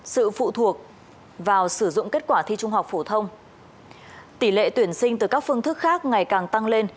sự phụ thuộc vào sử dụng kết quả thi trung học phổ thông tỷ lệ tuyển sinh từ các phương thức khác ngày càng tăng lên